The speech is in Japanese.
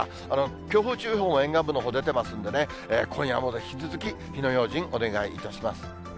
強風注意報も沿岸部のほう、出てますんでね、今夜も引き続き、火の用心、お願いいたします。